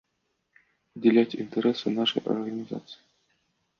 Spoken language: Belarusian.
Падзяляць інтарэсы нашай арганізацыі.